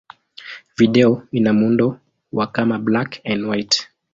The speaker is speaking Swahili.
Video ina muundo wa kama black-and-white.